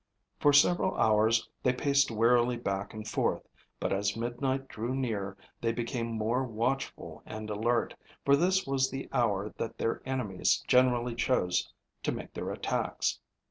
For several hours they paced wearily back and forth, but as midnight drew near they became more watchful and alert, for this was the hour that their enemies generally chose to make their attacks.